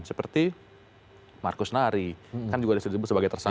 seperti markus nari kan juga disebut sebagai tersangka